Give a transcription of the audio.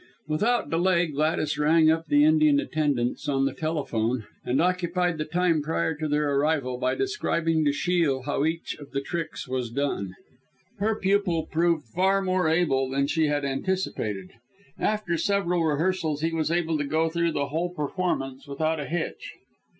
Without delay Gladys rang up the Indian attendants on the telephone, and occupied the time prior to their arrival by describing to Shiel how each of the tricks was done. Her pupil proved far more able than she had anticipated. After several rehearsals he was able to go through the whole performance without a hitch.